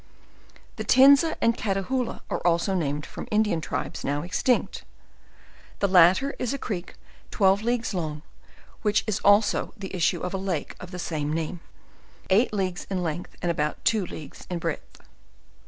The Tenza and Catahoola are also named from Indian tribe* now extinct: The latter is a creek twelve leagues long, which is the issue of a lake of the same name, eight leagues in length and about two leagues in breadth.